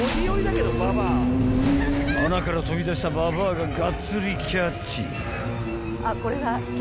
［穴から飛び出したババアががっつりキャッチ］